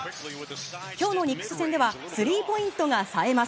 きょうのニックス戦では、スリーポイントがさえます。